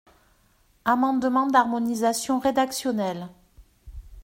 Amendement d’harmonisation rédactionnelle.